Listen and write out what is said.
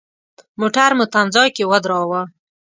موټر مو تم ځای کې ودراوه.